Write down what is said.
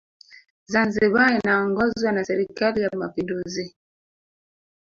zanzibar inaongozwa na serikali ya mapinduzi